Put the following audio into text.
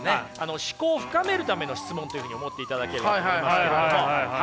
思考を深めるための質問というふうに思っていただければと思いますけれども。